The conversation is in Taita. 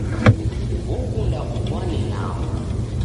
Okunda upwane nao.